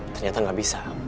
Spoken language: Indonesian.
ternyata gak bisa